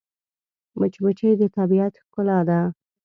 مچمچۍ د طبیعت ښکلا ده